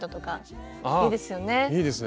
いいですね。